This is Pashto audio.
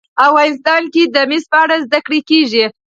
افغانستان کې د مس په اړه زده کړه کېږي.